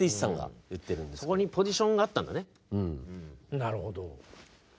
なるほど。